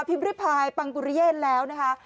พิมพ์ริพายปังกุรเยนแล้วนะคะ